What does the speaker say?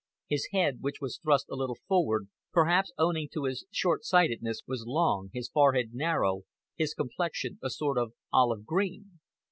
His head, which was thrust a little forward, perhaps owing to his short sightedness, was long, his forehead narrow, his complexion a sort of olive green.